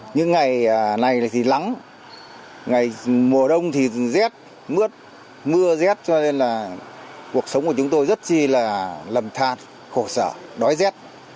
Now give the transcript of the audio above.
những ngày này thì lắng ngày mùa đông thì rét mướt mưa rét cho nên là cuộc sống của chúng tôi rất chi là lầm than khổ sở đói rét